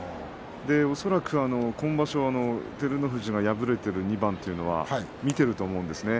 恐らく今場所照ノ富士が敗れている２番というのは見ていると思うんですね。